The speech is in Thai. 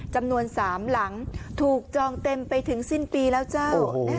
จำนวน๓หลังถูกจองเต็มไปถึงสิ้นปีแล้วเจ้า